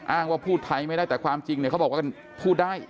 อ้างว่าพูดไทยไม่ได้แต่ความจริงเนี่ยเขาบอกว่ากันพูดได้